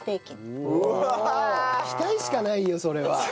期待しかないよそれは。